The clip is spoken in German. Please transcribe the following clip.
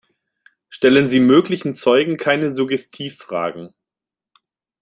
Stellen Sie möglichen Zeugen keine Suggestivfragen.